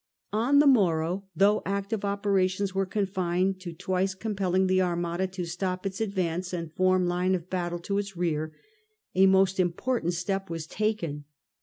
On the morrow, though active operations were confined to twice compelling the Armada to stop its advance and form line of battle to its rear, a most important step was taken.